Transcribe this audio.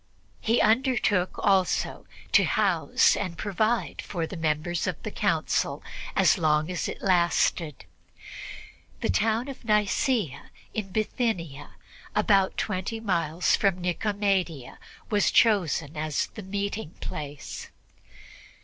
He undertook also to house and provide for the members of the Council as long as it lasted. The town of Nicea in Bithynia, about twenty miles from Nicomedia, was chosen as the meeting place.